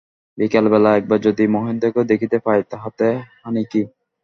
বিকাল বেলা একবার যদি মহেন্দ্রকে দেখিতে পাই তাহাতে হানি কী।